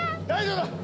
大丈夫だ！